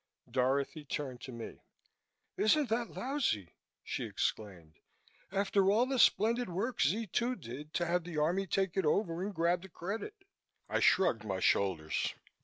Dorothy turned to me. "Isn't that lousy!" she exclaimed. "After all the splendid work Z 2 did, to have the Army take it over and grab the credit!" I shrugged my shoulders.